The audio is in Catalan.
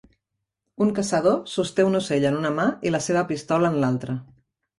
Un caçador sosté un ocell en una mà i la seva pistola en l'altra.